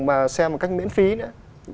mà xem một cách miễn phí nữa